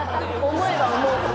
思えば思うほど。